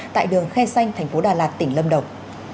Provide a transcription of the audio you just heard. tại đường khe xanh thành phố đà lạt tỉnh lâm đồng